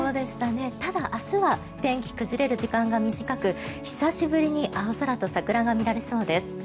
ただ明日は天気崩れる時間が短く久しぶりに青空と桜が見られそうです。